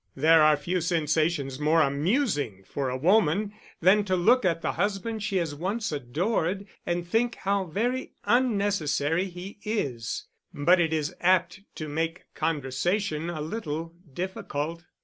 There are few sensations more amusing for a woman than to look at the husband she has once adored and think how very unnecessary he is; but it is apt to make conversation a little difficult.